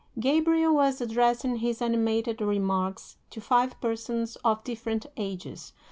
Gabriel was addressing his animated remarks to five persons of different ages.